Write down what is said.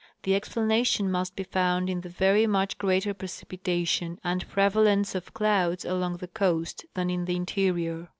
The explanation must be found in the very much greater precipitation and prevalence of clouds along the coast than in the interior.